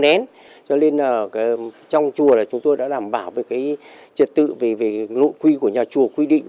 nén cho nên là trong chùa là chúng tôi đã đảm bảo về cái trật tự về nội quy của nhà chùa quy định